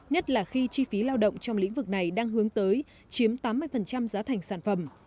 nhất là khi chi phí lao động trong lĩnh vực này đang hướng tới chiếm tám mươi giá thành sản phẩm